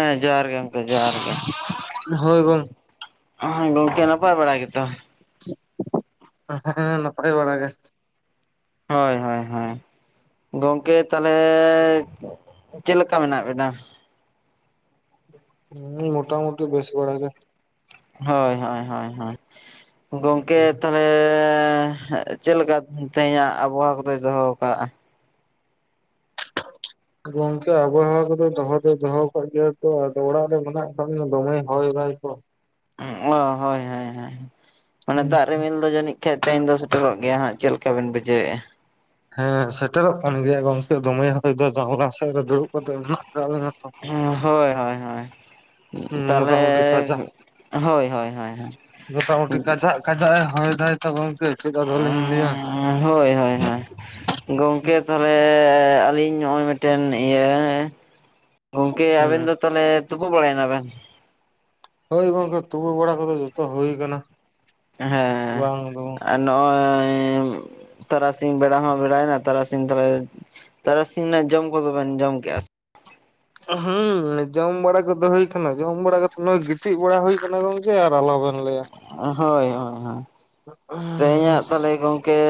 ᱦᱮᱸ ᱡᱚᱦᱟᱨ ᱜᱮ ᱜᱚᱝᱠᱮ ᱡᱚᱦᱟᱨ ᱜᱮ᱾ ᱦᱳᱭ ᱜᱚᱝᱠᱮ ᱜᱚᱝᱠᱮ ᱱᱟᱯᱟᱭ ᱵᱟᱲᱟ ᱜᱮ ᱛᱚ? ᱦᱮᱸ ᱱᱟᱯᱟᱭ ᱵᱟᱲᱟ ᱜᱮ᱾ ᱦᱳᱭ ᱦᱳᱭ ᱦᱳᱭ, ᱜᱚᱝᱠᱮ ᱛᱟᱦᱚᱞᱮᱻ ᱪᱮᱫ ᱞᱮᱠᱟ ᱢᱮᱱᱟᱜ ᱵᱮᱱᱟ? ᱦᱩᱸ ᱢᱚᱴᱟᱢᱩᱴᱤ ᱵᱮᱥ ᱵᱟᱲᱟ ᱜᱮ, ᱦᱳᱭ ᱦᱳᱭ ᱦᱳᱭ ᱦᱳᱭ ᱜᱚᱝᱠᱮ ᱛᱟᱦ ᱞᱮ ᱪᱮᱫᱠᱟ ᱛᱮᱦᱮᱧᱟᱜ ᱟᱵᱚᱦᱟᱣᱟ ᱠᱚᱫᱚᱭ ᱫᱚᱦᱚ ᱠᱟᱫᱟ᱾ [inaudible] ᱜᱚᱝᱠᱮ ᱟᱵᱚᱦᱟᱣᱟ ᱠᱚᱫᱚ ᱫᱚᱦᱚ ᱫᱚᱭ ᱫᱚᱦᱚ ᱠᱟᱫ ᱜᱮᱭᱟ ᱛᱚ ᱟᱫᱚ ᱚᱲᱟᱜ ᱨᱮ ᱢᱮᱱᱟᱜ ᱠᱟᱜ ᱞᱤᱧᱟ ᱫᱚᱢᱮ ᱦᱚᱭ ᱫᱟ ᱛᱚ, ᱚ ᱦᱳᱭ ᱦᱳᱭ ᱦᱳᱭ ᱚᱱᱮ ᱦᱩᱸ᱾ ᱫᱟᱜ ᱨᱤᱢᱤᱞ ᱫᱚ ᱡᱟᱹᱱᱤᱡ, ᱠᱷᱮᱜ ᱛᱮᱦᱮᱧ ᱫᱚ ᱥᱮᱴᱮᱨᱚᱜ ᱜᱮᱭᱟ ᱦᱟᱸᱜ ᱪᱮᱫ ᱞᱮᱠᱟ ᱵᱤᱱ ᱵᱩᱡᱷᱟᱹᱣᱮᱜᱼᱟ᱾ ᱦᱮᱸ ᱥᱮᱴᱮᱨᱚᱜ ᱠᱟᱱ ᱜᱮᱭᱟ ᱜᱚᱝᱠᱮ ᱫᱚᱢᱮ ᱦᱚᱭ ᱫᱚ ᱡᱟᱱᱞᱟ ᱥᱮᱫ ᱨᱮ ᱫᱩᱲᱩᱵ ᱠᱟᱛᱮ ᱢᱮᱱᱟᱜ ᱟᱠᱟᱜ ᱞᱮᱭᱟ ᱛᱚ᱾ ᱦᱳᱭ ᱦᱳᱭ ᱦᱳᱭ ᱦᱩᱸ ᱢᱚᱴᱟᱢᱩᱴᱤ ᱠᱟᱡᱟᱠ ᱛᱟᱦᱚᱞᱮ ᱦᱳᱭ ᱦᱳᱭ᱾ ᱠᱟᱡᱟᱭ ᱦᱚᱭ ᱫᱟᱭ ᱛᱚ ᱜᱚᱝᱠᱮ ᱪᱮᱫ ᱟᱫᱚ ᱞᱤᱧ ᱞᱟᱹᱹᱭᱟ ᱾ ᱦᱮᱸ ᱦᱳᱭ ᱦᱳᱭ ᱜᱚᱝᱠᱮ ᱛᱟᱦᱚᱞᱮ ᱟᱹᱞᱤᱧ ᱱᱚᱜᱼᱚᱭ ᱢᱤᱫᱴᱮᱱ ᱤᱭᱟᱹ ᱜᱚᱝᱠᱮ ᱟᱵᱮᱱ ᱦᱩᱸ ᱫᱚ ᱛᱟᱦᱚᱞᱮ ᱛᱩᱯᱟᱹ ᱵᱟᱲᱟᱭᱮᱱᱟ ᱵᱮᱱ? ᱦᱳᱭ ᱜᱚᱝᱠᱮ ᱛᱩᱯᱩ ᱵᱟᱲᱟ ᱠᱚᱫᱚ ᱡᱚᱛᱚ ᱦᱩᱭ ᱟᱠᱟᱱᱟ᱾ ᱦᱮᱸ ᱱᱚᱜᱼᱚᱭ ᱛᱟᱨᱟᱥᱤᱧ ᱵᱮᱲᱟ ᱦᱚᱸ ᱵᱮᱲᱟᱭᱮᱱᱟ ᱛᱟᱨᱟᱥᱤᱧ ᱨᱮ ᱛᱟᱨᱟᱥᱤᱧ ᱨᱮᱱᱟᱜ ᱡᱚᱢ ᱠᱚᱫᱚ ᱵᱮᱱ ᱡᱚᱢ ᱠᱮᱜᱼ ᱟ ᱦᱮᱸ ᱡᱚᱢ ᱵᱟᱲᱟ ᱠᱚᱫᱚ ᱦᱩᱭ ᱟᱠᱟᱱᱟ ᱡᱚᱢ ᱵᱟᱲᱟ ᱠᱟᱛᱮ ᱱᱚᱜᱼᱚᱭ ᱜᱤᱛᱤᱡ ᱵᱟᱲᱟ ᱦᱩᱭᱩ ᱟᱠᱟᱱᱟ ᱜᱚᱝᱠᱮ᱾ ᱟᱨ ᱟᱞᱚᱵᱮᱱ ᱞᱟᱹᱭᱟ ᱦᱳᱭ ᱦᱳᱭ ᱛᱮᱦᱮᱧᱟᱜ ᱛᱟᱦᱚᱞᱮ ᱜᱚᱝᱠᱮ,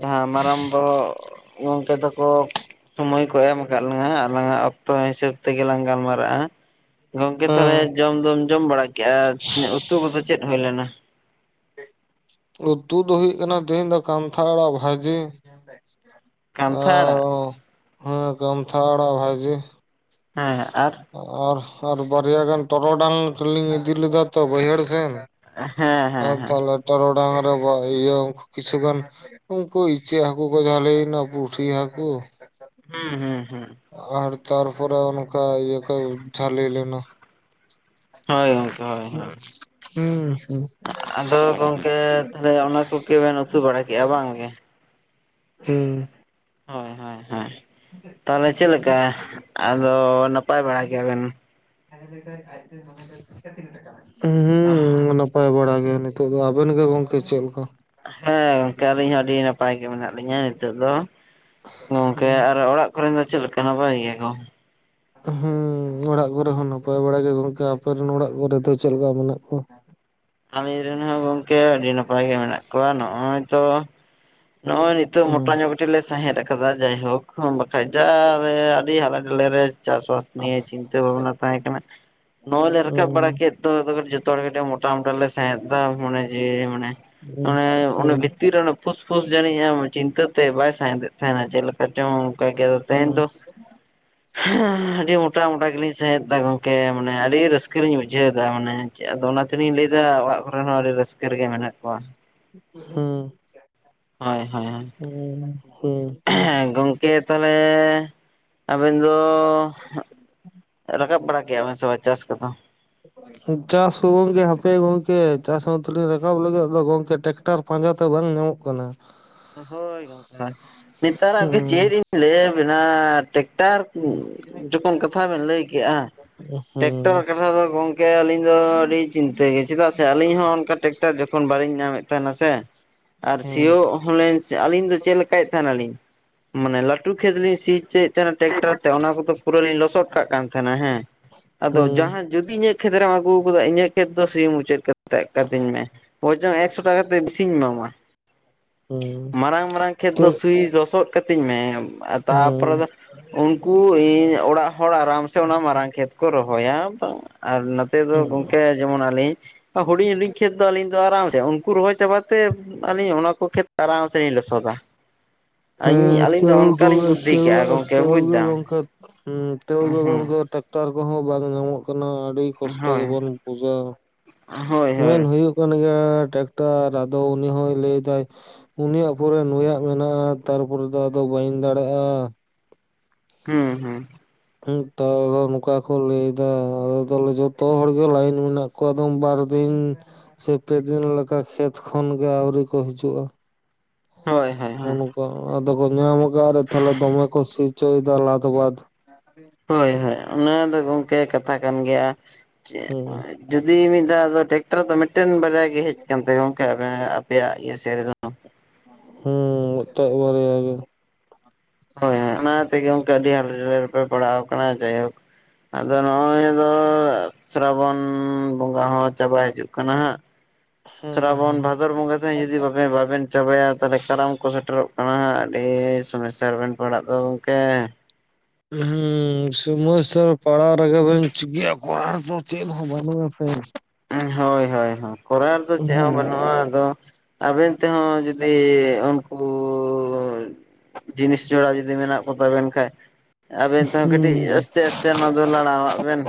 ᱡᱟᱦᱟᱸ ᱢᱟᱨᱟᱝ ᱵᱟᱦᱚᱜ ᱜᱚᱢᱠᱮ ᱛᱟᱠᱚ ᱥᱳᱢᱳᱚᱭ ᱠᱚ ᱮᱢ ᱟᱠᱟᱫ ᱞᱟᱝᱟ ᱟᱞᱟᱝᱟᱜ ᱚᱠᱛᱚ ᱦᱤᱥᱟᱹᱵ ᱛᱮᱜᱮ ᱞᱟᱝ ᱜᱟᱞᱢᱟᱨᱟᱜᱼᱟ᱾ ᱜᱚᱝᱠᱮ ᱛᱟᱦᱚᱞᱮ ᱦᱮᱸ ᱡᱚᱢ ᱫᱚᱢ ᱡᱚᱢ ᱵᱟᱲᱟ ᱠᱮᱫᱟ, ᱩᱛᱩ ᱠᱚᱫᱚ ᱪᱮᱫ ᱦᱩᱭ ᱞᱮᱱᱟ? ᱩᱛᱩ ᱫᱚ ᱦᱩᱭᱩᱜ ᱠᱟᱱᱟ ᱛᱮᱦᱤᱧ ᱫᱚ ᱠᱟᱱᱛᱷᱟᱲᱟ ᱟᱲᱟᱜ ᱵᱷᱟᱹᱡᱤ᱾ ᱠᱟᱱᱛᱷᱟ ᱟᱲᱟᱜ? ᱟᱨ ᱦᱮᱸ ᱠᱚᱢᱛᱷᱟᱲᱟ ᱵᱷᱟᱹᱡᱤ ᱦᱮᱸ ᱟᱨ? ᱟᱨ ᱟᱨ ᱵᱟᱨᱭᱟ ᱜᱟᱱ ᱛᱚᱨᱚᱰᱟᱝ ᱞᱤᱧ ᱤᱫᱤ ᱞᱮᱫᱟ ᱛᱚ ᱵᱟᱹᱭᱦᱟᱹᱲ ᱥᱮᱱ᱾ ᱦᱮᱸ ᱦᱮᱸ ᱟᱨ ᱦᱮᱸ ᱛᱟᱦᱚᱞᱮ ᱴᱟᱨᱚ ᱰᱟᱝ ᱨᱮ ᱤᱭᱟᱹ ᱠᱤᱪᱩ ᱜᱟᱱ ᱩᱱᱠᱩ ᱤᱪᱟᱹᱜ ᱦᱟᱠᱩ ᱠᱚ ᱡᱷᱟᱞᱤ ᱮᱱᱟ ᱯᱩᱴᱷᱤ ᱦᱟᱠᱚ ᱦᱩᱸ ᱦᱩᱸ ᱦᱩᱸ ᱟᱨ ᱛᱟᱨ ᱯᱚᱨᱮ ᱚᱱᱠᱟ ᱤᱭᱟᱹ ᱠᱚ ᱡᱷᱟᱞᱤ ᱞᱮᱱᱟ᱾ ᱦᱳᱭ ᱜᱚᱝᱠᱮ ᱦᱳᱭ ᱦᱳᱭ [unintelligible] ᱟᱫᱚ ᱜᱚᱝᱠᱮ ᱛᱟᱦᱚᱞᱮ ᱚᱱᱟ ᱠᱚᱜᱮ ᱵᱮᱱ ᱩᱛᱩ ᱵᱟᱲᱟ ᱠᱮᱫᱮᱜᱼᱟ ᱵᱟᱝ ᱜᱮ? ᱦᱩᱸ ᱦᱳᱭ ᱦᱳᱭ ᱦᱳᱭ ᱛᱟᱦᱚᱞᱮ ᱪᱮᱫ ᱞᱮᱠᱟ ᱟᱫᱚ ᱱᱟᱯᱟᱭ ᱵᱟᱲᱟ ᱜᱮᱭᱟᱵᱮᱱ? ᱦᱩᱸ, ᱱᱟᱯᱟᱭ ᱵᱟᱲᱟ ᱜᱮ, ᱱᱤᱛᱚᱜ ᱫᱚ᱾ ᱟᱵᱮᱱ ᱜᱮ ᱜᱚᱝᱠᱮ ᱪᱮᱫ ᱞᱮᱠᱟ? ᱦᱮᱸ ᱜᱚᱝᱠᱮ ᱟᱹᱞᱤᱧ ᱦᱚᱸ ᱟᱹᱰᱤ ᱱᱟᱯᱟᱭ ᱜᱮ ᱢᱮᱱᱟᱜ ᱞᱤᱧᱟ ᱱᱤᱛᱚᱜ ᱫᱚ ᱾ ᱜᱚᱝᱠᱮ ᱟᱨᱚ ᱚᱲᱟᱜ ᱚᱫᱟ ᱟᱵᱮᱱ ᱨᱮᱱ ᱜᱮ ᱪᱮᱫ ᱞᱮᱠᱟ ᱱᱟᱯᱟᱭ ᱜᱮᱭᱟ ᱠᱚ? ᱦᱮᱸ ᱚᱲᱟᱜ ᱠᱚᱨᱮ ᱦᱚᱸ ᱱᱟᱯᱟᱭ ᱵᱟᱲ ᱜᱮ ᱜᱚᱝᱠᱮ᱾ ᱟᱯᱮ ᱨᱮᱱ ᱚᱲᱟᱜ ᱠᱚᱨᱮ ᱫᱚ ᱪᱮᱫ ᱞᱮᱠᱟ ᱢᱮᱱᱟᱜ ᱠᱚᱣᱟ? ᱟᱞᱮ ᱨᱮᱱ ᱦᱚᱸ ᱜᱚᱝᱠᱮ ᱟᱹᱰᱤ ᱱᱟᱯᱟᱭ ᱜᱮ ᱢᱮᱱᱟᱜ ᱠᱚᱣᱟ, ᱱᱚᱜᱼᱚᱭ ᱛᱚ ᱱᱚ ᱱᱤᱛᱚ ᱢᱚᱴᱟ ᱧᱚ ᱠᱟᱴᱤᱡ ᱞᱮ ᱥᱟᱦᱮᱫ ᱟ ᱠᱟᱫᱟ ᱡᱟᱭᱦᱳᱠ ᱾ ᱵᱟᱠᱷᱟ ᱡᱟ ᱟᱹᱰᱤ ᱦᱟᱞ ᱰᱮᱞᱮ ᱨᱮ ᱪᱟᱥᱵᱟᱥ ᱱᱤᱭᱟᱹ ᱪᱤᱱᱛᱟᱹ ᱵᱷᱟᱵᱱᱟ ᱛᱟᱦᱮᱸ ᱠᱟᱱᱟ᱾ ᱱᱚᱼᱚᱭ ᱞᱮ ᱨᱟᱠᱟᱵ ᱵᱟᱲᱟ ᱦᱩᱸ ᱠᱮᱫ, ᱫᱚ ᱫᱚᱵᱮᱱ ᱡᱚᱛᱚ ᱦᱚᱲ ᱠᱟᱹᱴᱤᱡ ᱢᱚᱴᱟ ᱢᱚᱴᱟ ᱞᱮ ᱥᱟᱦᱮᱫ ᱮᱫᱟ ᱢᱟᱱᱮ ᱡᱮ ᱢᱟᱱᱮ ᱦᱩᱸ ᱚᱱᱮ ᱚᱱᱮ ᱦᱩᱸ ᱵᱷᱤᱛᱤᱨ ᱨᱮ ᱯᱷᱩᱥ ᱯᱷᱩᱥ ᱡᱟᱹᱱᱤᱡ ᱟᱢ ᱪᱤᱱᱛᱟᱹ ᱛᱮ ᱵᱟᱭ ᱥᱟᱸᱦᱮᱫ ᱮᱜ ᱦᱮ ᱢᱟᱱᱮ ᱪᱮᱫ ᱞᱮᱠᱟ ᱪᱚᱝ ᱚᱱᱠᱟ ᱜᱮ ᱛᱮᱦᱮᱧ ᱫᱚ ᱦᱮᱸ ᱟᱹᱰᱤ ᱢᱚᱴᱟ ᱢᱚᱴᱟ ᱜᱮᱞᱤᱧ ᱥᱟᱸᱦᱮᱫ ᱫᱟ ᱜᱚᱝᱠᱮ ᱢᱟᱱᱮ ᱟᱹᱰᱤ ᱨᱟᱹᱥᱠᱟᱹ ᱞᱤᱧ ᱵᱩᱡ ᱵᱩᱡᱷᱟᱹᱣᱫᱟ ᱢᱟᱱᱮ ᱪᱮᱫ ᱟᱫᱚ ᱚᱱᱟ ᱛᱮᱞᱤᱧ ᱞᱟᱹᱭᱮᱫᱟ ᱚᱲᱟᱜ ᱠᱚᱨᱮ ᱦᱚᱸ ᱟᱹᱰᱤ ᱨᱟᱹᱥᱠᱟᱹ ᱨᱮᱜᱮ ᱢᱮᱱᱟᱜ ᱠᱚᱣᱟ᱾ ᱦᱳᱭ ᱦᱩᱸ ᱦᱳᱭ ᱦᱳᱭ [unintelligible] ᱠᱮ ᱛᱟᱞᱮ, ᱟᱵᱮᱱ ᱫᱚ, ᱨᱟᱠᱟᱵ ᱵᱟᱲᱟ ᱠᱮᱜᱼᱟ ᱵᱮᱱ ᱥᱮ ᱵᱟᱝ ᱪᱟᱥ ᱠᱚᱫᱚ? ᱪᱟᱥ ᱦᱚᱸ ᱜᱚᱝᱠᱮ ᱦᱟᱯᱮ ᱜᱚᱝᱠᱮ ᱪᱟᱥ ᱢᱟᱛᱚ ᱨᱟᱠᱟᱵ ᱞᱟᱹᱜᱤᱫ ᱟᱫᱚ ᱜᱚᱢᱠᱮ ᱴᱮᱠ ᱴᱟᱨ ᱯᱟᱸᱡᱟ ᱛᱮ ᱵᱟᱝ ᱧᱟᱢᱚᱜ ᱠᱟᱱᱟ᱾ ᱦᱳᱭ ᱜᱚᱢᱠᱮ ᱦᱳᱭ ᱱᱮᱛᱟᱨᱟᱜ ᱜᱮ ᱪᱮᱫ ᱦᱩᱸ ᱞᱤᱧ ᱞᱟᱹᱭᱟᱵᱤᱱᱟ ᱴᱮᱠᱴᱟᱨ ᱦᱩᱸ ᱡᱚᱠᱷᱚᱱ ᱠᱟᱛᱷᱟ ᱵᱮᱱ ᱞᱟᱹᱭ ᱠᱮᱜ-ᱟ᱾ ᱴᱮᱠᱴᱟᱨ ᱦᱩᱸ ᱠᱟᱛᱷᱟ ᱫᱚ ᱜᱚᱝᱠᱮ ᱟᱹᱞᱤᱧ ᱫᱚ ᱟᱹᱰᱤ ᱪᱤᱱᱛᱟᱹᱜᱮ ᱪᱮᱫᱟᱜ ᱥᱮ ᱟᱹᱞᱤᱧ ᱦᱚᱸ ᱚᱱᱠᱟ ᱛᱮ ᱮᱴᱟᱜ ᱡᱚᱠᱷᱚᱱ ᱵᱟᱹᱞᱤᱧ ᱧᱟᱢᱮᱫ ᱛᱟᱦᱮᱱᱟ ᱥᱮ ᱟᱨ ᱦᱩᱸ ᱥᱤᱭᱳᱜ, ᱦᱚᱞᱮᱧ ᱥᱮ ᱟᱹᱞᱤᱧ ᱫᱚ ᱪᱮᱫ ᱞᱮᱠᱟᱭᱮᱫ ᱛᱟᱦᱮᱱᱟᱞᱤᱧ ᱢᱟᱱᱮ ᱞᱟᱹᱴᱩ ᱠᱷᱮᱛ ᱞᱤᱧ ᱥᱤ ᱦᱚᱪᱚᱭᱮᱫ ᱛᱟᱦᱮᱸᱱᱟ ᱴᱮᱠᱴᱟᱨ ᱛᱮ ᱚᱱᱟ ᱠᱚᱫᱚ ᱯᱩᱨᱟᱹ ᱞᱤᱧ ᱞᱚᱥᱚᱫ ᱠᱟᱜ ᱠᱟᱱ ᱛᱟᱦᱮᱱᱟ ᱦᱮᱸ᱾ ᱟᱫᱚ ᱦᱩᱸ ᱡᱟᱦᱟᱸ ᱡᱩᱫᱤ ᱤᱧᱟᱹᱜ ᱠᱷᱮᱛᱨᱮᱢ ᱟᱹᱜᱩ ᱠᱟᱫᱟ ᱤᱧᱟᱹᱜ ᱠᱷᱮᱛ ᱫᱚ ᱥᱤ ᱢᱩᱪᱟᱹᱫ ᱠᱟᱛᱮ ᱠᱟᱹᱛᱤᱧ ᱢᱮ, ᱵᱚᱨᱪᱚᱢ ᱮᱠᱥᱚ ᱴᱟᱠᱟ ᱠᱟᱛᱮ ᱵᱤᱥᱤᱧ ᱮᱢᱟᱢᱟ᱾ ᱦᱩᱸ ᱢᱟᱨᱟᱝ ᱢᱟᱨᱟᱝ ᱠᱷᱮᱛ ᱛᱚ ᱫᱚ ᱥᱤ ᱞᱚᱥᱚᱫ ᱠᱟᱹᱛᱤᱧ ᱢᱮ ᱟᱨ ᱛᱟᱨᱯᱚᱨᱮ ᱦᱩᱸ ᱟᱫᱚ, ᱩᱱᱠᱩ ᱤᱧ ᱚᱲᱟᱜ ᱦᱚᱲ ᱟᱨᱟᱢ ᱥᱮ ᱚᱱᱟ ᱢᱟᱨᱟᱝ ᱠᱷᱮᱛ ᱠᱚ ᱨᱚᱦᱚᱭᱟ ᱵᱟᱝ ᱟᱨ ᱱᱚᱛ ᱟᱠᱮ ᱫᱚ ᱦᱩᱸ ᱜᱚᱝᱠᱮᱡ, ᱡᱮᱢᱚᱱ ᱟᱹᱞᱤᱧ ᱦᱩᱰᱤᱧ ᱦᱩᱰᱤᱧ ᱠᱷᱮᱛ ᱫᱚ ᱟᱹᱞᱤᱧ ᱫᱚ ᱟᱨᱟᱢ ᱥᱮ ᱩᱱᱠᱩ ᱨᱚᱦᱚᱭ ᱪᱟᱵᱟ ᱛᱮ ᱟᱹᱞᱤᱧ ᱚᱱᱟ ᱠᱩ ᱠᱷᱮᱛ ᱟᱨᱟᱢ ᱥᱮ ᱞᱤᱧ ᱞᱚᱥᱚᱫ ᱟ᱾ ᱵᱩᱫᱽᱫᱷᱤ ᱠᱟᱜᱼᱟ ᱜᱚᱝᱠᱮ ᱵᱩᱡᱽ ᱫᱟᱢ ᱦᱩᱸ [unintelligible] ᱴᱮᱠᱴᱟᱨ ᱠᱚᱦᱚᱸ ᱵᱟᱝ ᱧᱟᱢᱚᱜ ᱠᱟᱱᱟ ᱟᱹᱰᱤ ᱠᱚᱥᱴᱚ ᱦᱳᱭ ᱦᱳᱭ ᱜᱮᱵᱚᱱ ᱵᱩᱡᱟ ᱦᱳᱭ ᱢᱮᱱ ᱦᱩᱸ ᱦᱩᱭᱩᱜ ᱠᱟᱱ ᱜᱮᱭᱟ ᱴᱮᱠᱴᱟᱨ ᱟᱫᱚ ᱩᱱᱤ ᱦᱚᱸᱭ ᱞᱟᱹᱭ ᱫᱟᱭ ᱩᱱᱤᱭᱟᱜ ᱯᱚᱨᱮ ᱱᱩᱭᱟᱜ ᱢᱮᱱᱟᱜ-ᱟ᱾ ᱛᱟᱨᱯᱚᱨᱮ ᱫᱚ ᱟᱫᱚ ᱵᱟᱹᱧ ᱫᱟᱲᱮᱭᱟᱜ-ᱟ᱾ ᱦᱩᱸ ᱦᱩᱸ᱾ ᱱᱮᱛᱟᱨ ᱱᱚᱝᱠᱟ ᱠᱚ ᱞᱟᱹᱭ ᱫᱟ ᱟᱞᱮ ᱛᱟᱦᱚᱞᱮ ᱡᱚᱛᱚ ᱦᱚᱲ ᱜᱮ ᱞᱟᱭᱤᱱ ᱢᱮᱱᱟᱜ, ᱠᱚᱫᱚᱢ ᱵᱟᱨ ᱫᱤᱱ ᱥᱮ ᱯᱮᱫᱤᱱ ᱞᱮᱠᱟ ᱠᱷᱮᱛ ᱠᱷᱚᱱ ᱜᱮ ᱟᱹᱣᱨᱤ ᱠᱚ ᱦᱤᱡᱩᱜ-ᱟ᱾ ᱦᱳᱭ᱾ ᱦᱳᱭ ᱦᱳᱭ ᱚᱱᱠᱟ ᱟᱫᱚ ᱠᱚ ᱧᱟᱢ ᱟᱠᱟᱫ ᱨᱮ ᱛᱟᱦᱞᱮ ᱫᱚᱢᱮ ᱠᱚ ᱥᱤ ᱦᱚᱪᱚᱭ ᱫᱟ ᱞᱟᱫ ᱵᱟᱫ, ᱦᱳᱭ ᱦᱳᱭ ᱚᱱᱟ ᱫᱚ ᱜᱚᱝᱠᱮ ᱠᱟᱛᱷᱟ ᱠᱟᱱ ᱜᱮᱭᱟ ᱡᱮ, ᱦᱩᱸ᱾ ᱡᱩᱫᱤ ᱢᱤᱫ ᱫᱷᱟᱣ ᱫᱚ ᱴᱮᱠᱴᱟᱨ ᱫᱚ ᱢᱤᱫᱴᱮᱱ ᱵᱟᱨᱭᱟ ᱜᱮ ᱦᱮᱡ ᱟᱠᱟᱱ ᱛᱮ ᱜᱚᱝᱠᱮ ᱟᱯᱮᱭᱟᱜ ᱤᱭᱟᱹ ᱥᱮᱫ ᱨᱮᱫᱚ, ᱦᱩᱸ ᱢᱤᱫᱴᱮᱡ ᱵᱟᱨᱭᱟ ᱜᱮ᱾ ᱦᱳᱭ ᱦᱳᱭ ᱚᱱᱟ ᱛᱮᱜᱮ ᱜᱚᱝᱠᱮ ᱟᱹᱰᱤ ᱦᱟᱠᱮ ᱰᱟᱞᱮ ᱨᱮᱯᱮ ᱯᱟᱲᱟᱣ ᱟᱠᱟᱱᱟ ᱡᱟᱭᱦᱳᱠ ᱟᱫᱚ ᱱᱚᱜ-ᱚᱭ ᱟᱫᱚ ᱥᱨᱟᱵᱚᱱ ᱵᱚᱸᱜᱟ ᱦᱚᱸ ᱪᱟᱵᱟ ᱦᱤᱡᱩᱜ ᱠᱟᱱᱟ ᱦᱟᱸᱜ ᱦᱮᱸ ᱥᱨᱟᱵᱚᱱ ᱦᱮᱸ ᱵᱷᱟᱫᱚᱨ ᱵᱚᱸᱜᱟ ᱛᱮᱦᱮᱸ ᱡᱩᱫᱤ ᱵᱟᱵᱤᱱ ᱵᱟᱵᱮᱱ, ᱪᱟᱵᱟᱭᱟ ᱛᱟᱦᱚᱞᱮ ᱠᱟᱨᱟᱢ ᱠᱚ ᱥᱮᱴᱮᱨᱚᱜ ᱠᱟᱱᱟ ᱦᱟᱸᱜ ᱟᱹᱰᱤ ᱥᱚᱢᱚᱥᱥᱟ ᱨᱮᱵᱮᱱ ᱯᱟᱲᱟᱜ ᱫᱚ ᱜᱚᱝᱠᱮ, ᱦᱩᱸ ᱥᱚᱢᱚᱥᱥᱟ ᱯᱟᱲᱟᱣ ᱨᱮᱜᱮ ᱵᱮᱱ ᱪᱤᱠᱟᱹᱭᱟ ᱠᱚᱨᱟᱣ ᱫᱚ ᱪᱮᱫ ᱦᱚᱸ ᱵᱟᱵᱩᱱ ᱟᱥᱮ, ᱦᱮ ᱦᱳᱭ ᱦᱳᱭ ᱠᱚᱨᱟᱨ ᱫᱚ ᱪᱮᱫ ᱦᱚᱸ ᱦᱩᱸ ᱵᱟᱹᱱᱩᱜ-ᱟ ᱟᱫᱚ ᱟᱵᱮᱱ ᱛᱮᱦᱚᱸ ᱡᱩᱫᱤ ᱩᱱᱠᱩ ᱡᱤᱱᱤᱥ ᱡᱚᱲᱟ ᱡᱩᱫᱤ ᱢᱮᱱᱟᱜ ᱠᱚᱛᱟᱵᱮᱱ ᱠᱷᱟᱡ ᱟᱵᱮᱱ ᱛᱮᱦᱚᱸ ᱠᱟᱹᱴᱤᱡ ᱦᱩᱸ ᱟᱥᱛᱮ ᱟᱥ ᱛᱮ ᱚᱱᱟ ᱫᱚ ᱞᱟᱲᱟᱣᱟᱜ ᱵᱮᱱ,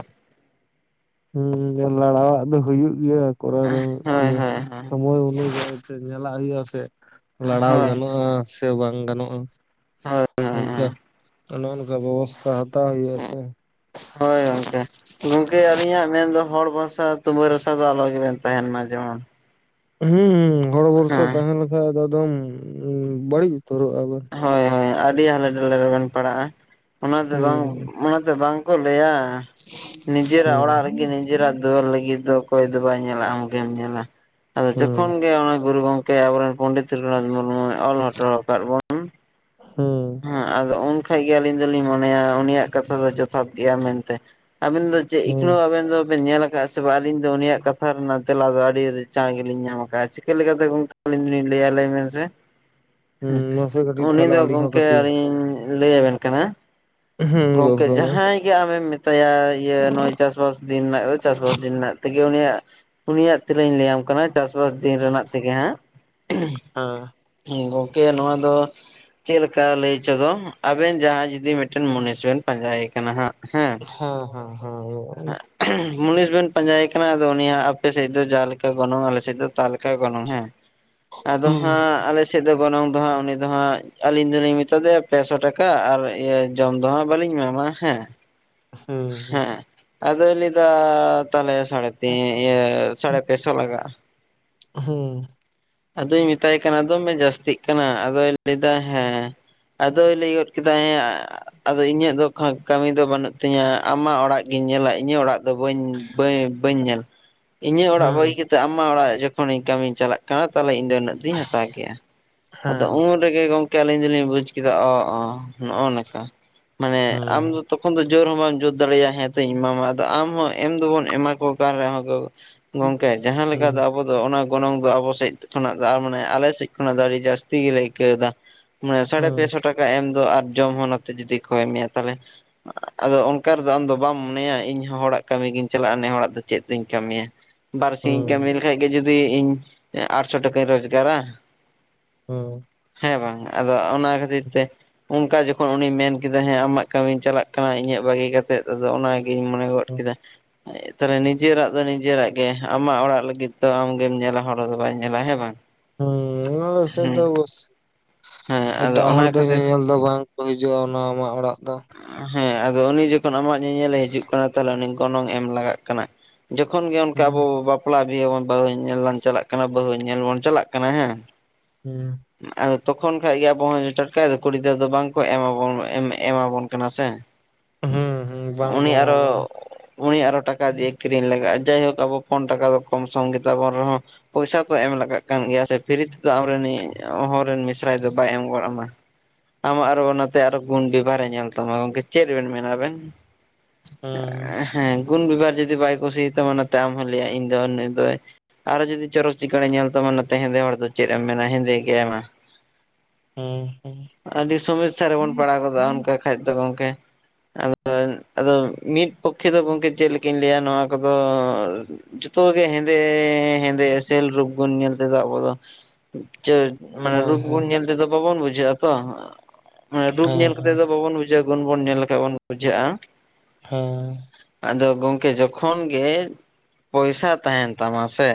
ᱦᱩᱸ ᱞᱟᱲᱟᱣᱟᱜ ᱫᱚ ᱦᱩᱭᱩᱜ ᱜᱮᱭᱟ ᱠᱚᱨᱟᱣ ᱨᱮ ᱦᱳᱭ ᱦᱳᱭ ᱦᱳᱭ ᱥᱚᱢᱚᱭ [unintelligible] ᱥᱮ ᱧᱮᱞᱟᱜ ᱦᱩᱭᱩᱜᱼᱟ ᱥᱮ ᱞᱟᱲᱟᱣ ᱦᱳᱭ ᱜᱟᱱᱚᱜ-ᱟ ᱥᱮ ᱵᱟᱝ ᱜᱟᱱᱚᱜ-ᱟ᱾ [unintelligible] ᱚᱱᱠᱟ ᱱᱚᱜ-ᱚ ᱱᱚᱝᱠᱟ ᱵᱮᱵᱚᱥᱛᱷᱟ ᱦᱟᱛᱟᱣ ᱦᱩᱭᱩᱜ-ᱟ ᱥᱮ᱾ ᱦᱳᱭ ᱜᱚᱝᱠᱮ᱾ ᱜᱚᱝᱠᱮ ᱟᱹᱞᱤᱧᱟᱜ ᱢᱮᱱᱫᱚ, ᱦᱚᱲ ᱵᱷᱟᱥᱟ ᱛᱩᱢᱟᱹ ᱨᱟᱥᱟ ᱫᱚ ᱟᱞᱚ ᱜᱮᱵᱮᱱ ᱛᱟᱦᱮᱱ ᱢᱟ ᱡᱮᱢᱚᱱ᱾ ᱦᱩᱸᱻᱦᱚᱲ ᱵᱚᱨᱥᱟ ᱦᱮᱸ ᱛᱟᱦᱮᱸ ᱞᱮᱱᱠᱷᱟᱡ ᱮᱠᱫᱚᱢ ᱵᱟᱹᱲᱤᱡ ᱩᱛᱟᱹᱨᱚᱜ-ᱟ ᱵᱚᱱ᱾ ᱦᱳᱭ ᱦᱳᱭ, ᱟᱹᱰᱤ ᱦᱟᱞᱮ ᱰᱟᱞᱮ ᱨᱮᱵᱮᱱ ᱯᱟᱲᱟᱜ-ᱟ, ᱚᱱᱟ ᱫᱚ ᱵᱟᱝ ᱦᱩᱸ ᱚᱱᱟ ᱫᱚ ᱵᱟᱝ᱾ ᱠᱚ ᱞᱟᱹᱭᱟ ᱱᱤᱡᱮᱨᱟᱜ ᱦᱩᱸ ᱚᱲᱟᱜ ᱨᱮᱜᱮ ᱱᱤᱡᱮᱨᱟᱜ ᱫᱩᱣᱟᱹᱨ ᱞᱟᱹᱜᱤᱫ ᱫᱚ᱾ ᱚᱠᱚᱭ ᱫᱚ ᱵᱟᱭ ᱧᱮᱞᱟ ᱟᱢ ᱜᱮᱢ ᱧᱮᱞᱟ ᱟᱫᱚ ᱦᱩᱸ ᱡᱚᱠᱷᱚᱱ ᱜᱮ ᱚᱱᱟ ᱜᱩᱨᱩ ᱜᱚᱝᱠ ᱠᱮ ᱟᱵᱚᱨᱮᱱ ᱯᱚᱱᱰᱤᱛ ᱨᱩᱹᱜᱷᱩᱱᱟᱷ ᱢᱩᱨᱢᱩᱭ ᱚᱞ ᱦᱚᱴᱚ ᱟᱠᱟᱫ ᱵᱚᱱ᱾ ᱦᱩᱸ᱾ ᱦᱮᱸ, ᱟᱫᱚ ᱩᱱ ᱠᱷᱟᱱ ᱜᱮ ᱟᱹᱞᱤᱧ ᱫᱚᱞᱤᱧ ᱢᱚᱱᱮᱭᱟ ᱩᱱᱤᱭᱟᱜ ᱠᱟᱛᱷᱟ ᱫᱚ ᱡᱚᱛᱷᱟᱛ ᱜᱮᱭᱟ ᱢᱮᱱᱛᱮ, ᱟᱵᱮᱱ ᱫᱚ ᱪᱮᱫ ᱦᱩᱸ ᱮᱠᱷᱚᱱᱳ ᱟᱵᱮᱱ ᱫᱚᱵᱮᱱ ᱧᱮᱞᱟ ᱠᱟᱜ-ᱟ ᱥᱮ ᱵᱟᱝ ᱟᱹᱞᱤᱧ ᱫᱚ ᱩᱱᱤᱭᱟᱜ ᱠᱟᱛᱷᱟ ᱨᱮᱱᱟᱜ ᱛᱮᱞᱟ ᱫᱚ ᱟᱹᱰᱤ ᱪᱟᱬ ᱜᱮᱞᱤᱧ ᱧᱟᱢ ᱟᱠᱟᱜ-ᱟ, ᱪᱤᱠᱟᱹ ᱞᱮᱠᱟᱛᱮ ᱜᱚᱝᱠᱮ ᱟᱞᱤᱧ ᱫᱩᱞᱤᱧ ᱞᱮᱭᱟ ᱞᱟᱹᱭ ᱢᱮᱱ ᱥᱮ᱾ ᱦᱩᱸ, ᱢᱚᱥᱮ ᱛᱟᱦᱞᱮ ᱠᱟᱴᱤᱡ ᱛᱟᱦᱚᱞᱮ ᱟᱹᱞᱤᱧ ᱦᱚᱸ ᱠᱟᱴᱤᱡ ᱞᱤᱧ ᱞᱟᱹᱭᱟ ᱵᱮᱱ ᱠᱟᱱᱟ ᱦᱩᱸ ᱜᱚᱝᱠᱮ ᱢᱟ ᱦᱮᱸ ᱡᱟᱦᱟᱸᱭ ᱫᱤᱭᱮ ᱟᱢᱮᱢ ᱢᱮᱛᱟᱭᱟ ᱤᱭᱟᱹ ᱱᱚᱜ-ᱚᱭ ᱪᱟᱥᱵᱟᱥ ᱫᱤᱱ ᱨᱮᱱᱟᱜ ᱫᱚ ᱪᱟᱥᱵᱟᱥ ᱫᱤᱱ ᱨᱮᱱᱟᱜ ᱛᱮᱜᱮ ᱩᱱᱤᱭᱟᱜ ᱩᱱᱤᱭᱟᱜ ᱛᱤᱱᱟᱹᱧ ᱞᱟᱹᱭᱟᱢ ᱠᱟᱱᱟ ᱪᱟᱥ ᱵᱟᱥ ᱫᱤᱱ ᱨᱮᱱᱟᱜ ᱛᱮᱜᱮ ᱦᱟᱸᱜ [unintelligible] ᱜᱚᱝᱠᱮ, ᱱᱚᱣᱟ ᱫᱚ ᱪᱮᱫ ᱞᱮᱠᱟ ᱞᱟᱹᱭ ᱪᱚ ᱫᱚ, ᱟᱵᱮᱱ ᱡᱟᱦᱟᱸᱭ ᱡᱩᱫᱤ ᱢᱤᱫᱴᱮᱱ ᱢᱩᱱᱤᱥ ᱵᱮᱱ ᱯᱟᱸᱡᱟᱭᱮ ᱠᱟᱱᱟ ᱦᱟᱸᱜ ᱦᱮᱸ᱾ ᱦᱮᱸ ᱦᱮᱸ ᱦᱮᱸ᱾ ᱢᱩᱱᱤᱥ ᱵᱮᱱ ᱯᱟᱸᱡᱟᱭᱮ ᱠᱟᱱᱟ ᱟᱫᱚ ᱩᱱᱤᱭᱟᱜ ᱟᱯᱮᱥᱮᱫ ᱫᱚ ᱡᱟᱦᱟ ᱞᱮᱠᱟ ᱜᱚᱱᱚᱝ, ᱟᱞᱮᱥᱮᱫ ᱫᱚ ᱛᱟᱞᱮᱠᱟ ᱜᱮ ᱜᱚᱱᱚᱝ ᱦᱮᱸ᱾ ᱟᱫᱚ ᱦᱟᱸᱜ ᱟᱞᱮ ᱥᱮᱫ ᱫᱚ ᱜᱚᱱᱚᱝ ᱫᱚ ᱦᱟᱸᱜ ᱩᱱᱤ ᱫᱚ ᱦᱟᱸᱜ, ᱟᱹᱞᱤᱧ ᱫᱩᱞᱤᱧ ᱢᱮᱛᱟᱫᱮᱭᱟ ᱯᱮᱥᱚ ᱴᱟᱠᱟ ᱟᱨ ᱤᱭᱟᱹ ᱡᱚᱢ ᱫᱚ ᱦᱟᱸᱜ ᱵᱟᱹᱞᱤᱧ ᱮᱢᱟᱢᱟ ᱦᱮᱸ᱾ ᱦᱩᱸ ᱦᱩᱸ᱾ ᱦᱮᱸ ᱟᱫᱚᱭ ᱞᱟᱹᱭᱫᱟ ᱛᱟᱞᱮ ᱥᱟᱲᱮᱛᱤ ᱤᱭᱟᱹ ᱥᱟᱲᱮ ᱯᱮᱥᱚ ᱞᱟᱜᱟᱜ-ᱟ᱾ ᱦᱩᱸ᱾ ᱟᱫᱚᱧ ᱢᱮᱛᱟᱭ ᱠᱟᱱᱟ ᱫᱚᱢᱮ ᱡᱟᱹᱥᱛᱤᱜ ᱠᱟᱱᱟ, ᱟᱫᱚᱭ ᱞᱟᱹᱭᱫᱟ ᱦᱮᱸ᱾ ᱟᱫᱚᱭ ᱞᱟᱹᱭ ᱜᱚᱱ ᱠᱮᱫᱟ ᱦᱮᱭᱟ ᱟᱫᱚ ᱤᱧᱟᱹᱜ ᱫᱚ ᱠᱷᱟᱠ ᱠᱟᱹᱢᱤ ᱫᱚ ᱵᱟᱹᱱᱩᱜ ᱛᱤᱧᱟ, ᱟᱢᱟᱜ ᱚᱲᱟᱜ ᱜᱤᱧ ᱧᱮᱞᱟ ᱤᱧᱟᱹᱜ ᱚᱲᱟᱜ ᱫᱚ ᱵᱟᱹᱧ ᱵᱟᱹ ᱵᱟᱹᱧ ᱧᱮᱞᱟ, ᱤᱧᱟᱹᱜ ᱚᱲᱟᱜ ᱦᱩᱸ ᱵᱟᱹᱜᱤ ᱠᱛᱮᱫ ᱟᱢᱟᱜ ᱚᱲᱟᱜ ᱡᱚᱠᱷᱚᱱᱤᱧ ᱠᱟᱹᱢᱤᱧ ᱪᱟᱞᱟᱜ ᱠᱟᱱᱟ ᱛᱟᱦᱚᱞᱮ ᱤᱧ ᱫᱚ ᱩᱱᱟᱹᱜ ᱫᱩᱧ ᱦᱟᱛᱟᱣ ᱠᱮᱭᱟ, ᱟᱫᱚ ᱦᱮᱸ ᱩᱱ ᱩᱱ ᱨᱮᱜᱮ ᱜᱚᱝᱠᱮ ᱟᱹᱞᱤᱧ ᱫᱚᱞᱤᱧ ᱵᱩᱡ ᱠᱮᱫᱟ ᱚ ᱚ ᱱᱚᱜ-ᱚ ᱱᱚᱝᱠᱟ ᱢᱟᱱᱮ ᱦᱩᱸ ᱟᱢ ᱫᱚ ᱛᱚᱠᱷᱚᱱ ᱫᱚ ᱡᱳᱨ ᱦᱚᱸ ᱵᱟᱢ ᱡᱳᱨ ᱫᱟᱲᱮᱭᱟᱜ-ᱟ ᱦᱮᱸ ᱛᱚᱧ ᱮᱢᱟᱢᱟ ᱟᱫᱚ ᱟᱢ ᱦᱚᱸ ᱮᱢ ᱫᱚᱵᱚᱱ ᱮᱢᱟ ᱠᱚ ᱠᱟᱱ ᱨᱮᱦᱚᱸ᱾ ᱜᱚᱝᱠᱮ, ᱡᱟᱦᱟᱸ ᱞᱮᱠᱟ ᱫᱚ ᱦᱩᱸ ᱟᱵᱚ ᱫᱚ ᱚᱱᱟ ᱜᱚᱱᱚᱝ ᱫᱚ ᱟᱵᱚ ᱥᱮᱱ ᱠᱷᱚᱱᱟᱜ ᱫᱚ ᱟᱨ ᱢᱟᱱᱮ ᱟᱞᱮ ᱥᱮᱫ ᱠᱷᱚᱱᱟᱜ ᱫᱚ ᱟᱹᱰᱤ ᱡᱟᱹᱥᱛᱤ ᱜᱮᱞᱮ ᱟᱹᱭᱠᱟᱹᱣ ᱮᱫᱟ ᱢᱟᱱᱮ ᱥᱟᱲᱮ ᱯᱮᱥᱚ ᱴᱟᱠᱟ ᱮᱢ ᱫᱚ ᱟᱨ ᱡᱚᱢ ᱦᱚᱸ ᱱᱟᱛᱮ ᱡᱩᱫᱤ ᱠᱷᱚᱭ ᱢᱮᱭᱟ, ᱛᱟᱦᱚᱞᱮ ᱟᱫᱚ ᱚᱱᱠᱟ ᱨᱮᱫᱚ ᱟᱢ ᱫᱚ ᱵᱟᱢ ᱢᱚᱱᱮᱭᱟ ᱤᱧᱦᱚᱸ ᱦᱚᱲᱟᱜ ᱠᱟᱹᱢᱤ ᱜᱤᱧ ᱪᱟᱞᱟᱜ-ᱟ, ᱱᱮ ᱦᱚᱲᱟᱜ ᱫᱚ ᱪᱮᱫ ᱫᱩᱧ ᱠᱟᱹᱢᱤᱭᱟ᱾ ᱵᱟᱨ ᱥᱤᱧᱤᱧ ᱦᱩᱸ ᱠᱟᱹᱢᱤ ᱞᱮᱠᱷᱟᱡ ᱜᱮ ᱡᱩᱫᱤ ᱤᱧ ᱟᱴᱥᱚ ᱴᱟᱠᱟᱧ ᱨᱳᱡᱽᱜᱟᱨᱟ᱾ ᱦᱩᱸ᱾ ᱦᱮᱸ ᱵᱟᱝ ᱟᱫᱚ ᱚᱱᱟ ᱠᱷᱟᱹᱛᱤᱨ ᱛᱮ᱾ ᱚᱱᱠᱟ ᱡᱚᱠᱷᱚᱱ ᱩᱱᱤ ᱢᱮᱱ ᱠᱮᱫᱟ ᱦᱮᱸ ᱟᱢᱟᱜ ᱠᱟᱹᱢᱤᱧ ᱪᱟᱞᱟᱜ ᱠᱟᱱᱟ ᱤᱧᱟᱹᱜ ᱵᱟᱹᱜᱤ ᱠᱟᱛᱮᱫ, ᱟᱫᱚ ᱚᱱᱟ ᱜᱤᱧ ᱢᱚᱱᱮ ᱜᱚᱱ ᱦᱩᱸ ᱠᱮᱫᱟ᱾ ᱛᱟᱦᱚᱞᱮ ᱱᱤᱡᱮᱨᱟᱜ ᱫᱚ ᱱᱤᱡᱮᱨᱟᱜ ᱜᱮ ᱟᱢᱟᱜ ᱚᱲᱟᱜ ᱞᱟᱹᱜᱤᱫ ᱛᱚ ᱟᱢᱜᱮᱢ ᱧᱮᱞᱟ ᱦᱚᱲ ᱦᱚᱲ ᱫᱚ ᱵᱟᱭ ᱧᱮᱞᱟ ᱦᱮᱸ ᱵᱟᱝ ᱦᱩᱸ ᱚᱵᱚᱥᱚᱭ ᱫᱚ ᱦᱮᱸ ᱚᱵᱚᱥᱚᱭ ᱦᱮᱸ ᱟᱫᱚ ᱮᱴᱟᱜ ᱦᱚᱲ ᱚᱱᱟ ᱫᱚ ᱧᱮ ᱠᱷᱟᱹᱛᱤᱨ ᱧᱮᱞ ᱫᱚ ᱵᱟᱝ ᱠᱚ ᱦᱤᱡᱩᱜᱼᱟ ᱚᱱᱟ ᱟᱢᱟᱜ ᱚᱲᱟᱜ ᱫᱚ ᱦᱮᱸ ᱟᱫᱚ ᱩᱱᱤ ᱡᱚᱠᱷᱚᱱ ᱟᱢᱟᱜ ᱧᱮᱧᱮᱞᱮ ᱦᱤᱡᱩᱜ ᱠᱟᱱᱟ ᱛᱟᱦᱞᱮ ᱩᱱᱤ ᱜᱚᱱᱚᱝ ᱮᱢ ᱞᱟᱜᱟᱜ ᱠᱟᱱᱟ ᱡᱚᱠᱷᱚᱱ ᱜᱮ ᱚᱱᱠᱟ ᱦᱩᱸ ᱟᱵᱚ ᱵᱟᱯᱞᱟ ᱵᱤᱦᱟᱹ ᱵᱟᱹᱦᱩ ᱧᱮᱞ ᱞᱟᱝ ᱪᱟᱞᱟᱜ ᱠᱟᱱᱟ ᱵᱟᱹᱦᱩ ᱧᱮᱞ ᱵᱚᱱ ᱪᱟᱞᱟᱜ ᱠᱟᱱᱟ ᱦᱮᱸ ᱦᱮᱸ ᱟᱫᱚ ᱛᱚᱠᱷᱚᱱ ᱠᱷᱟᱡ ᱜᱮ ᱟᱵᱚ ᱦᱚᱸ ᱴᱟᱴᱠᱟᱭ ᱫᱚ ᱠᱩᱲᱤ ᱜᱤᱫᱽᱨᱟᱹ ᱫᱚ ᱵᱟᱝᱠᱚ ᱮᱢᱟᱵᱚᱱ ᱮᱢᱮᱜ ᱮᱢᱟᱵᱚᱱ ᱠᱟᱱᱟ ᱥᱮ ᱦᱩᱸ ᱦᱩᱸ ᱵᱟᱝ ᱠᱚ ᱩᱱᱤ ᱮᱢᱟ ᱟᱨᱦᱚᱸ ᱵᱚᱱᱟ ᱩᱱᱤ ᱟᱨᱚ ᱴᱟᱠᱟ ᱫᱤᱭᱮ ᱠᱤᱨᱤᱧ ᱞᱟᱜᱟᱜᱼᱟ ᱡᱟᱭᱦᱳᱠ ᱟᱵᱚ ᱯᱚᱱ ᱴᱟᱠᱟ ᱫᱚ ᱠᱚᱢ ᱥᱚᱢ ᱜᱮᱛᱟᱵᱚᱱ ᱨᱮᱦᱚᱸ ᱯᱚᱭᱥᱟ ᱛᱚ ᱮᱢ ᱞᱟᱜᱟᱜ ᱠᱟᱱ ᱜᱮᱭᱟ ᱥᱮ ᱯᱷᱤᱨᱤ ᱛᱮᱫᱚ ᱟᱢᱨᱤᱱᱤᱡ ᱦᱚᱲ ᱨᱮᱱ ᱢᱤᱥᱨᱟᱭ ᱫᱚ ᱵᱟᱭ ᱮᱢ ᱜᱚᱫ ᱟᱢᱟ ᱟᱢᱟᱜ ᱟᱨᱚ ᱚᱱᱟᱛᱮ ᱟᱨᱚ ᱜᱩᱱᱰᱤ ᱚᱠᱟᱨᱮ ᱧᱮᱞ ᱛᱟᱢᱟ ᱜᱚᱝᱠᱮ ᱪᱮᱫ ᱵᱮᱱ ᱢᱮᱱᱟ ᱟᱵᱤᱱ ᱦᱩᱸ ᱦᱮᱸ ᱜᱩᱱ ᱵᱮᱵᱷᱟᱨ ᱡᱩᱫᱤ ᱵᱟᱭ ᱠᱩᱥᱤᱭᱟ ᱛᱟᱢᱟ ᱱᱚᱛᱮ ᱟᱢ ᱦᱚᱢ ᱞᱟᱹᱭᱟ ᱤᱧ ᱫᱚ ᱱᱩᱭ ᱫᱚᱭ ᱟᱨᱚ ᱡᱩᱫᱤ ᱪᱚᱨᱚᱠ ᱪᱤᱠᱟᱹᱲᱮ ᱧᱮᱞ ᱛᱟᱢᱟ ᱚᱱᱟᱛᱮ ᱦᱮᱸᱫᱮ ᱦᱚᱲ ᱫᱚ ᱪᱮᱫ ᱮᱢ ᱢᱮᱱᱟ ᱦᱮᱸᱫᱮ ᱜᱮᱭᱟᱭ ᱢᱟ ᱦᱩᱸ ᱦᱩᱸ ᱟᱹᱰᱤ ᱥᱚᱢᱚᱥᱥᱟ ᱨᱮᱵᱚᱱ ᱯᱟᱲᱟᱣ ᱜᱚᱫᱚᱜ-ᱟ ᱵᱟᱠᱷᱟᱡ ᱫᱚ ᱜᱚᱢᱠᱮ ᱟᱫᱚ ᱟᱫᱚ ᱢᱤᱫ ᱯᱚᱠᱠᱷᱮ ᱫᱚ ᱪᱮᱫ ᱞᱮᱠᱟ ᱤᱧ ᱞᱮᱭᱟ ᱱᱚᱣᱟ ᱠᱚᱫᱚ ᱡᱷᱚᱛᱚ ᱜᱮ ᱦᱮᱸᱫᱮ ᱦᱮᱸᱫᱮ ᱮᱥᱮᱞ ᱨᱩᱯᱵᱚᱱ ᱧᱮᱞ ᱛᱟᱠᱚᱣᱟ ᱟᱵᱚ ᱫᱚ ᱢᱟᱱᱮ ᱦᱳᱭ ᱦᱳᱭ ᱨᱩᱯ ᱦᱮᱸ ᱜᱩᱱ ᱧᱮᱞ ᱛᱮᱫᱚ ᱵᱟᱵᱚᱱ ᱵᱩᱡᱷᱟᱹᱜᱼᱟ ᱛᱟ ᱢᱟᱱᱮ ᱨᱩᱯ ᱧᱮᱞ ᱠᱟ ᱦᱮᱸ ᱵᱟᱵᱚᱱ ᱵᱩᱡᱷᱟᱹᱜᱼᱟ ᱜᱩᱱ ᱵᱚᱱ ᱧᱮᱞ ᱞᱮᱠᱷᱟᱡ ᱵᱚᱱ ᱵᱩᱡᱷᱟᱹᱜᱼᱟ ᱾ ᱦᱳᱭ ᱟᱫᱚ ᱜᱚᱝᱠᱮ ᱡᱚᱠᱷᱚᱱ ᱜᱮ ᱯᱚᱭᱥᱟ ᱛᱟᱦᱮᱱ ᱛᱟᱢᱟ ᱥᱮ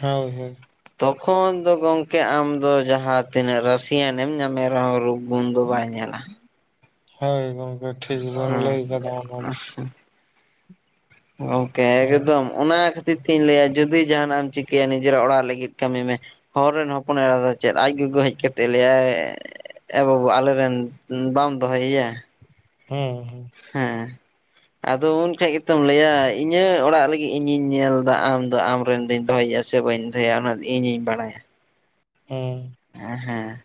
ᱦᱳᱭ ᱦᱳᱭ ᱛᱚᱠᱷᱚᱱ ᱫᱚ ᱜᱚᱝᱠᱮ ᱟᱢ ᱫᱚ ᱡᱟᱦᱟᱸ ᱛᱤᱱᱟᱹᱜ ᱨᱟᱥᱤᱭᱟᱱᱮᱢ ᱧᱟᱢᱮ ᱨᱮᱦᱚᱸ ᱨᱩ ᱜᱩᱱ ᱫᱚ ᱵᱟᱭ ᱧᱮᱞᱟ ᱾ ᱦᱳᱭ ᱜᱚᱝᱠᱮ ᱴᱷᱤᱠ ᱵᱮᱱ ᱦᱮᱸ ᱞᱟᱹᱭ ᱠᱟᱫᱟ ᱚᱱᱟ ᱫᱚ ᱾ ᱜᱚᱝᱠᱮ ᱦᱮᱸ ᱮᱠᱫᱚᱢ ᱾ ᱚᱱᱟ ᱠᱷᱟᱹᱛᱤᱨ ᱛᱤᱧ ᱞᱟᱹᱭᱟ ᱡᱩᱫᱤ ᱡᱟᱦᱟᱸᱱᱟᱜ ᱮᱢ ᱪᱤᱠᱟᱹᱭᱟ ᱱᱤᱡᱮᱨᱟᱜ ᱚᱲᱟᱜ ᱞᱟᱹᱜᱤᱫ ᱠᱟᱹᱢᱤ ᱢᱮ ᱦᱚᱨ ᱨᱮᱱ ᱦᱚᱯᱚᱱ ᱮᱨᱟ ᱫᱚ ᱪᱮᱫ, ᱟᱡ ᱜᱚᱜᱚ ᱦᱮᱡ ᱠᱟᱛᱮᱜ ᱮ ᱞᱮᱭᱟᱭ ᱮ ᱵᱟᱹᱵᱩ ᱟᱞᱮ ᱨᱮᱱ ᱵᱟᱢ ᱫᱚᱦᱚᱭᱮᱭᱟ ᱾ ᱦᱮᱸ ᱦᱮᱸ ᱦᱮᱸ ᱟᱫᱚ ᱩᱱᱠᱷᱟᱡ ᱜᱮᱛᱚᱢ ᱞᱟᱹᱭᱟ ᱤᱧᱟᱹᱜ ᱚᱲᱟᱜ ᱞᱟᱹᱜᱤᱜ ᱤᱧᱤᱧ ᱧᱮᱞ ᱫᱟ ᱟᱢ ᱫᱚ ᱟᱢᱨᱮᱱ ᱫᱚᱧ ᱫᱚᱦᱚᱭᱟ ᱥᱮ ᱵᱟᱹᱧ ᱫᱚᱦᱚᱭ ᱭᱟ ᱚᱱᱟ ᱫᱚ ᱤᱧᱤᱧ ᱵᱟᱲᱟᱭᱟ ᱾ ᱦᱮᱸ ᱦᱮᱸ ᱦᱮᱸ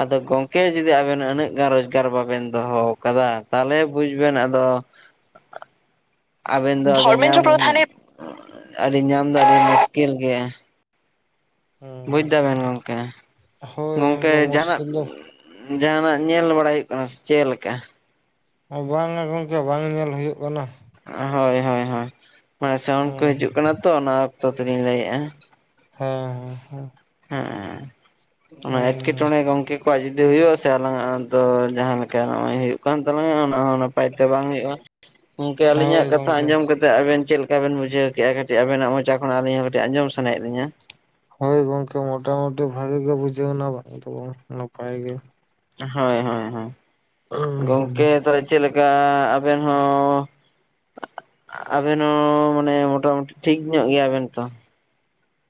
ᱟᱫᱚ ᱜᱚᱝᱠᱮ ᱡᱩᱫᱤ ᱟᱵᱮᱱ ᱟᱹᱱᱟᱹᱜ ᱜᱟᱱ ᱨᱚᱡᱽᱜᱟᱨ ᱵᱟᱵᱮᱱ ᱫᱚᱦᱚ ᱠᱟᱫᱟ ᱛᱟᱦᱞᱮ ᱵᱩᱡ ᱵᱮᱱ ᱟᱫᱚ ᱟᱵᱮᱱ ᱫᱚ ᱟᱫᱚ ᱧᱟᱢ ᱦᱚᱸ ᱟᱹᱰᱤ ᱧᱟᱢ ᱫᱚ ᱟᱹᱰᱤ ᱢᱩᱥᱠᱤᱞ ᱜᱮᱭᱟ ᱾ ᱦᱮᱸ ᱵᱩᱡᱽ ᱫᱟᱵᱮᱱ ᱜᱚᱝᱠᱮ? ᱦᱳᱭ ᱜᱚᱝᱠᱮ ᱡᱟᱦᱟᱸᱱᱟᱜ ᱢᱩᱥᱠᱤᱞ ᱫᱚ ᱡᱟᱦᱟᱸᱱᱟᱜ ᱧᱮᱞ ᱵᱟᱲᱟᱭ ᱦᱩᱭᱩᱜ ᱠᱟᱱᱟ ᱥᱮ ᱪᱮᱫᱞᱮᱠᱟ? ᱵᱟᱝ ᱟ ᱜᱚᱝᱠᱮ, ᱵᱟᱝ ᱧᱮᱞ ᱦᱩᱭᱩᱜ ᱠᱟᱱᱟ ᱾ ᱦᱳᱭ ᱦᱳᱭ ᱦᱳᱭ ᱢᱟᱱᱮ ᱥᱟᱣᱩᱱ ᱠᱚ ᱦᱮᱸ ᱦᱤᱡᱩᱜ ᱠᱟᱱᱟ ᱛᱚ, ᱚᱱᱟ ᱚᱠᱛᱚ ᱛᱮᱞᱤᱧ ᱞᱟᱹᱭᱮᱜᱼᱟ ᱾ ᱦᱮᱸ ᱦᱮᱸ ᱦᱮᱸ ᱚᱱᱟ ᱦᱮᱸ ᱮᱴᱠᱮᱴᱚᱬᱮᱸ ᱜᱚᱝᱠᱮ ᱟᱠᱚᱣᱟᱜ ᱡᱩᱫᱤ ᱦᱩᱭᱩᱜᱼᱟ ᱥᱮ ᱟᱞᱟᱝ ᱟᱫᱚ ᱡᱟᱦᱟᱸ ᱞᱮᱠᱟ ᱱᱚᱜᱼᱚᱭ ᱦᱩᱭᱩᱜ ᱠᱟᱱ ᱛᱟᱞᱟᱝᱟ ᱚᱱᱟ ᱦᱚᱸ ᱱᱟᱯᱟᱭ ᱛᱮ ᱵᱟᱝ ᱦᱳᱭᱳᱜᱼᱟ ᱜᱚᱝᱠᱮ ᱦᱮᱸ ᱦᱳᱭ ᱟᱞᱤᱧᱟᱜ ᱠᱟᱛᱷᱟ ᱜᱚᱝᱠᱮ ᱟᱸᱡᱚᱢ ᱠᱟ ᱛᱮᱜ ᱟᱵᱮᱱ ᱪᱮᱞᱠᱟ ᱵᱮᱱ ᱵᱩᱡᱷᱟᱹᱣ ᱠᱮᱜᱼᱟ? ᱠᱟᱹᱴᱤᱡ ᱟᱵᱮᱱᱟᱜ ᱢᱚᱪᱟ ᱠᱷᱚᱱᱟᱜ ᱟᱹᱞᱤᱧ ᱦᱚᱸ ᱠᱟᱹᱴᱤᱡ ᱟᱸᱡᱚᱢ ᱥᱟᱱᱟᱭᱮᱫ ᱞᱤᱧᱟᱹ ᱾ ᱦᱳᱭ ᱜᱚᱝᱠᱮ ᱢᱚᱴᱟᱢᱩᱴᱤ ᱵᱷᱟᱜᱮ ᱜᱮ ᱵᱩᱡᱷᱟᱹᱣᱱᱟ ᱵᱟᱝ ᱫᱚ ᱵᱟᱝ ᱱᱟᱯᱟᱭ ᱜᱮ ᱾ ᱦᱳᱭ ᱦᱳᱭ ᱦᱳᱭ, ᱜᱚᱝᱠᱮ ᱛᱟᱦᱞᱮ ᱪᱮᱫ ᱞᱮᱠᱟ ᱟᱵᱮᱱ ᱦᱚᱸ ᱟᱵᱮᱱ ᱦᱚᱸ ᱢᱟᱱᱮ ᱢᱚᱴᱟᱢᱩᱴᱤ ᱴᱷᱤᱠ ᱧᱚᱜ ᱜᱮᱭᱟ ᱵᱮᱱ ᱛᱚ?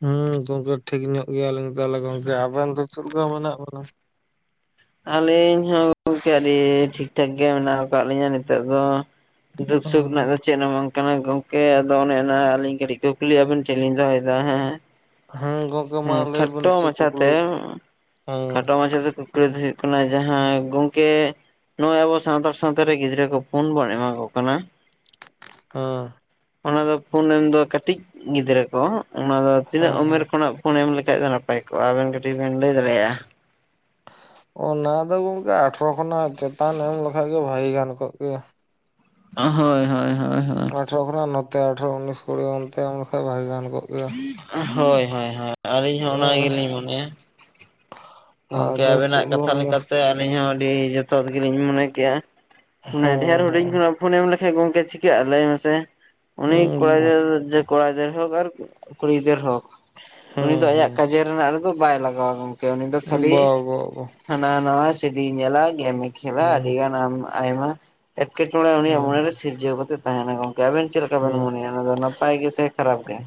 ᱦᱩᱸ ᱜᱚᱝᱠᱮ ᱴᱷᱤᱠ ᱧᱚᱜ ᱜᱮᱭᱟᱞᱤᱧ, ᱛᱟᱦᱞᱮ ᱜᱚᱝᱠᱮ ᱟᱵᱮᱱ ᱫᱚ ᱪᱮᱫ ᱞᱮᱠᱟ ᱢᱮᱱᱟᱜ ᱵᱮᱱᱟ? ᱟᱹᱞᱤᱧ ᱦᱚᱸ ᱜᱚᱝᱠᱮ ᱟᱹᱰᱤ ᱴᱷᱤᱠᱴᱷᱟᱠ ᱜᱮ ᱢᱮᱱᱟᱜ ᱟᱠᱟᱜ ᱞᱤᱧᱟᱹ ᱱᱤᱛᱚᱜ ᱫᱚ ᱾ ᱫᱩᱠ ᱥᱩᱠ ᱨᱮᱱᱟᱜ ᱫᱚ ᱪᱮᱫ ᱦᱚᱸ ᱵᱟᱝ ᱠᱟᱱᱟ ᱜᱚᱝᱠᱮ ᱟᱫᱚ ᱚᱱᱮ ᱚᱱᱟ ᱟᱹᱞᱤᱧ ᱠᱟᱹᱴᱤᱡ ᱠᱩᱠᱞᱤ ᱟᱹᱵᱤᱱ ᱴᱷᱮᱡ ᱞᱤᱧ ᱫᱚᱦᱚᱭᱫᱟ ᱦᱮᱸ᱾ ᱦᱮᱸ ᱜᱚᱝᱠᱮ ᱢᱟ ᱦᱩᱸ ᱞᱟᱹᱭ ᱵᱮᱱ ᱠᱷᱟᱴᱚ ᱪᱮᱫ ᱠᱩᱠᱞᱤ ᱢᱟᱪᱷᱟᱛᱮ, ᱦᱮᱸ ᱠᱷᱟᱴᱚ ᱢᱟᱪᱷᱟᱛᱮ ᱠᱩᱠᱞᱤ ᱫᱚ ᱦᱩᱭᱩᱜ ᱠᱟᱱᱟ ᱡᱟᱦᱟᱸ ᱜᱚᱝᱠᱮ ᱱᱚᱜᱼᱚᱭ ᱟᱵᱚ ᱥᱟᱱᱛᱟᱲ ᱥᱟᱶᱛᱟ ᱨᱮ ᱜᱤᱫᱽᱨᱟᱹ ᱠᱚ ᱯᱷᱳᱱ ᱵᱚᱱ ᱮᱢᱟ ᱠᱚ ᱠᱟᱱᱟ ᱛᱚ ᱚᱱᱟ ᱫᱚ ᱯᱷᱳᱱ ᱮᱢ ᱫᱚ ᱠᱟᱹᱴᱤᱡ ᱜᱤᱫᱽᱨᱟᱹ ᱠᱚ, ᱚᱱᱟ ᱫᱚ ᱛᱤᱱᱟᱹᱜ ᱦᱮᱸ ᱩᱢᱮᱨ ᱦᱮᱸ ᱠᱷᱚᱱᱟᱜ ᱯᱷᱳᱱ ᱮᱢ ᱞᱮᱠᱷᱟᱡ ᱫᱚ ᱱᱟᱯᱟᱭ ᱠᱚᱜᱼᱟ, ᱟᱵᱮᱱ ᱠᱟᱹᱴᱤᱡ ᱵᱮᱱ ᱞᱟᱹᱭ ᱫᱟᱲᱮᱭᱟᱜᱼᱟ? ᱚᱱᱟ ᱫᱚ ᱜᱚᱝᱠᱮ ᱟᱴᱷᱨᱚ ᱠᱷᱚᱱᱟᱜ ᱪᱮᱛᱟᱱ ᱮᱢ ᱞᱮᱠᱷᱟᱡ ᱜᱮ ᱵᱷᱟᱜᱮ ᱜᱟᱱ ᱠᱚᱜ ᱠᱮᱭᱟ ᱾ ᱦᱳᱭ ᱦᱳᱭ ᱦᱳᱭ ᱦᱳᱭ ᱟᱴᱨᱚ ᱠᱷᱚᱱᱟᱜ ᱱᱚᱛᱮ ᱟᱴᱨᱚ ᱩᱱᱤᱥ ᱠᱩᱲᱤ ᱚᱱᱛᱮ ᱮᱢ ᱞᱮᱠᱷᱟᱱ ᱵᱷᱟᱜᱮ ᱜᱟᱱ ᱠᱚ ᱦᱳᱭ ᱦᱳᱭ ᱟᱹᱞᱤᱧ ᱦᱚᱸ ᱚᱱᱟ ᱜᱮᱞᱤᱧ ᱢᱚᱱᱮᱭᱟ᱾ ᱜᱚᱝᱠᱮ ᱟᱫᱚ ᱪᱮᱫ ᱟᱵᱤᱱᱟᱜ ᱠᱟᱛᱷᱟ ᱵᱚᱱ ᱞᱮᱠᱟᱛᱮ ᱟᱹᱞᱤᱧ ᱦᱚᱸ ᱟᱹᱰᱤ ᱡᱚᱛᱷᱟᱛ ᱜᱮᱞᱤᱧ ᱢᱚᱱᱮ ᱠᱮᱜ-ᱟ ᱢᱟᱱᱮ ᱰᱷᱮᱨ ᱦᱮᱸ ᱦᱩᱰᱤᱧ ᱠᱷᱚᱱᱟᱜ ᱯᱷᱳᱱ ᱮᱢ ᱞᱮᱠᱷᱟᱡ ᱜᱚᱝᱠᱮ ᱪᱤᱠᱟᱹᱜᱼᱟ ᱞᱟᱹᱭ ᱢᱮᱥᱮ ᱩᱱᱤ ᱦᱮᱸ ᱠᱚᱲᱟ ᱜᱤᱫᱽᱫᱟ. ᱠᱚᱲᱟ ᱜᱤᱫᱟ. ᱨ ᱦᱳᱠ ᱟᱨ ᱠᱩᱲᱤ ᱜᱤᱫᱨᱟᱹᱨ ᱦᱳᱠ ᱦᱮᱸ ᱩᱱᱤ ᱫᱚᱚ ᱟᱭᱟᱜ ᱦᱮᱸ ᱠᱟᱡᱮ ᱨᱮᱱᱟᱜ ᱨᱮᱫᱚ ᱵᱟᱭ ᱞᱟᱜᱟᱣ ᱜᱚᱢ ᱠᱮ ᱩᱱᱤ ᱫᱚ ᱠᱷᱟᱹᱞᱤ ᱵᱟ ᱵᱟ ᱵᱟ ᱦᱟᱱᱟ ᱱᱟᱣᱟ ᱥᱤᱰᱤ ᱧᱮᱞᱟ ᱜᱮᱢᱮ ᱠᱷᱮᱞᱟ ᱦᱮᱸ ᱟᱹᱰᱤ ᱜᱟᱱᱢ ᱟᱭᱢᱟ᱾ ᱮᱴᱠᱮᱴᱚᱬᱮ ᱩᱱᱤᱭᱟᱜ ᱦᱮᱸ ᱢᱚᱱᱮᱨᱮ ᱥᱤᱨᱡᱟᱹᱣ ᱠᱟᱛᱮ ᱛᱟᱦᱮᱱᱟ ᱜᱚᱝᱠᱮ ᱟᱵᱮᱱ ᱪᱮᱫ ᱞᱮᱠᱟᱵᱮᱱ ᱦᱮᱸ ᱢᱚᱱᱮᱭᱟ? ᱚᱱᱟᱫᱚ ᱱᱟᱯᱟᱭ ᱜᱮᱥᱮ ᱠᱷᱟᱨᱟᱯ ᱜᱮ?